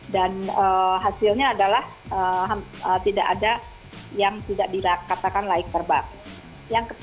dan hasilnya adalah tidak ada yang tidak dikatakan laik terbak